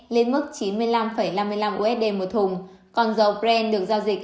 lên mức chín mươi năm năm mươi năm usd một thùng còn dầu bren được giao dịch